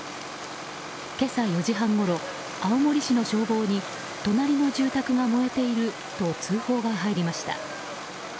今朝４時半ごろ、青森市の消防に隣の住宅が燃えていると通報が入りました。